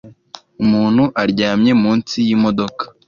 Umuntu aryamye munsi yimodoka